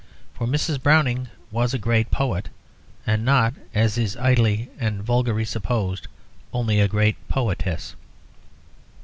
For Mrs. Browning was a great poet, and not, as is idly and vulgarly supposed, only a great poetess.